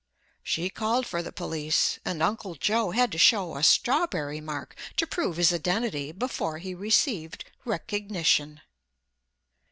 She called for the police, and Uncle Joe had to show a strawberry mark to prove his identity, before he received recognition.